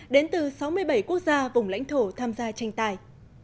đến từ sáu mươi bảy quốc gia vùng lãnh thổ tham gia tranh tài